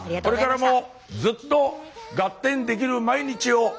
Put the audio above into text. これからもずっとガッテンできる毎日を。